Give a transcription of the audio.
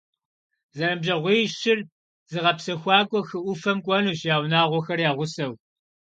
Зэныбжьэгъуищыр зыгъэпсэхуакӏуэ хы ӏуфэм кӏуэнущ, я унагъуэхэр я гъусэу.